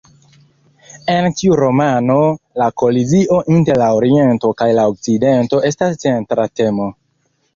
En tiu romano la kolizio inter la Oriento kaj la Okcidento estas centra temo.